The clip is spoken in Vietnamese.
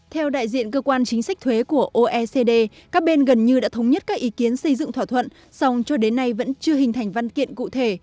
theo đại diện cơ quan chính sách thuế của oecd các bên gần như đã thống nhất các ý kiến xây dựng thỏa thuận song cho đến nay vẫn chưa hình thành văn kiện cụ thể